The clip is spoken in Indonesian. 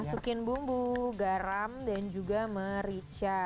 masukin bumbu garam dan juga merica